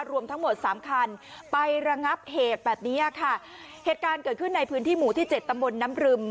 รวมทั้งหมดสามคันไประงับเหตุแบบเนี้ยค่ะเหตุการณ์เกิดขึ้นในพื้นที่หมู่ที่เจ็ดตำบลน้ำรึม